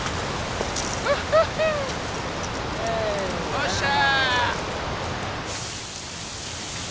よっしゃ！